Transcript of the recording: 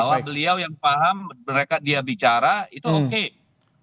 bahwa beliau yang paham mereka dia bicara itu oke